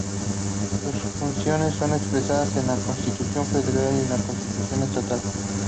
Sus funciones son expresadas en la Constitución Federal y en la Constitución Estatal.